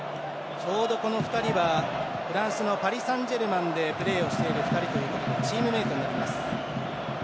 ちょうど、この２人はフランスのパリサンジェルマンでプレーをしている２人ということでチームメートになります。